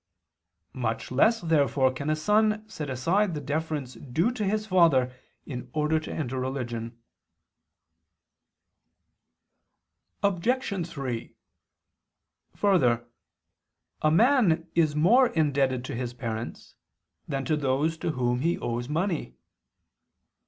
Much less therefore can a son set aside the deference due to his father in order to enter religion. Obj. 3: Further, a man is more indebted to his parents than to those to whom he owes money.